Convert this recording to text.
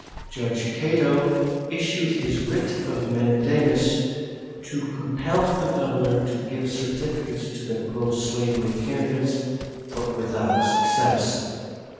Judge Cato issued his writ of mandamus to compel the Governor to give certificates to the pro slavery candidates, but without success.